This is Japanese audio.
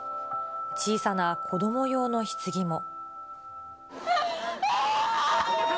小さな子ども用のひつぎも。